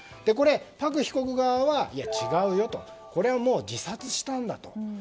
パク被告側は違うよと、これは自殺したんだと。